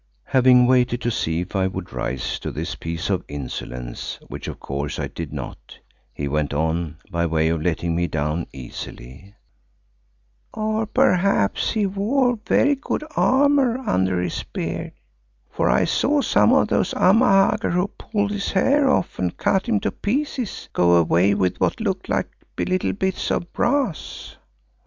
Having waited to see if I would rise to this piece of insolence, which of course I did not, he went on by way of letting me down easily, "Or perhaps he wore very good armour under his beard, for I saw some of those Amahagger who pulled his hair off and cut him to pieces, go away with what looked like little bits of brass.